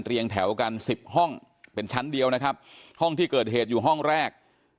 แถวกันสิบห้องเป็นชั้นเดียวนะครับห้องที่เกิดเหตุอยู่ห้องแรก